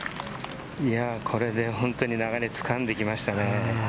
これで本当に流れを掴んできましたね。